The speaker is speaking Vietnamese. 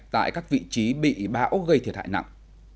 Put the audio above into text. tại các vị trí bị bão gây thiệt hại nặng